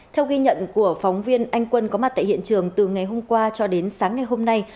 theo ghi nhận của phóng viên anh quân có mặt tại hiện trường từ ngày hôm qua cho đến sáng ngày hôm nay